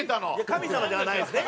神様ではないんですね？